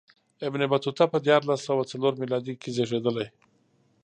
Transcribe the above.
ابن بطوطه په دیارلس سوه څلور میلادي کې زېږېدلی.